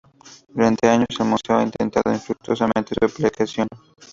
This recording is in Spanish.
Durante años, el museo ha intentado infructuosamente su ampliación.